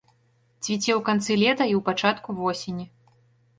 Цвіце ў канцы лета і ў пачатку восені.